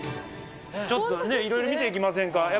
ちょっとね、いろいろ見ていきませんか。